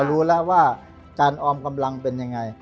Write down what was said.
รู้แล้วว่าการออมกำลังเป็นยังไง